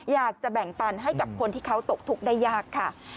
อยากจะแบ่งปันให้กับคนที่เขาตกทุกข์ได้ยากค่ะ